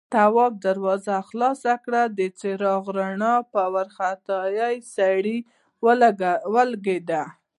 تواب دروازه خلاصه کړه، د څراغ رڼا په وارخطا سړي ولګېده.